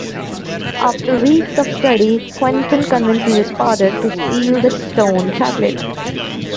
After weeks of study, Quinten convinces his father to steal the stone tablet.